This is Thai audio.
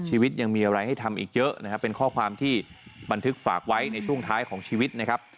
ชีวิตยังมีอะไรให้ทำอีกเยอะนะครับเป็นข้อความที่บันทึกฝากไว้ในช่วงท้ายของชีวิตนะครับ